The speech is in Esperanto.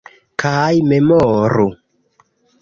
- Kaj memoru!